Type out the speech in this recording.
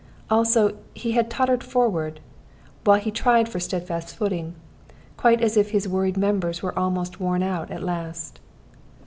Also he had tottered forward, while he tried for steadfast footing, quite as if his worried members were almost worn out at last.